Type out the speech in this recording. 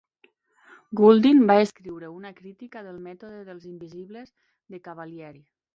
Guldin va escriure una crítica del mètode dels indivisibles de Cavalieri.